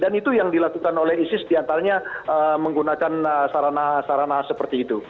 dan itu yang dilakukan oleh isis diantaranya menggunakan sarana sarana seperti itu